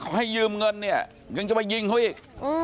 ให้ยืมเงินเนี่ยยังจะมายิงเขาอีก